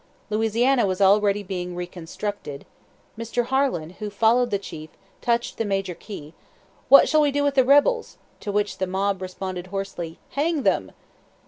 Louisiana was already being "reconstructed." Mr. Harlan, who followed the chief, touched the major key: "What shall we do with the rebels?" To which the mob responded hoarsely: "Hang them!"